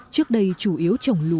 trước đây chủ yếu trồng nguyên liệu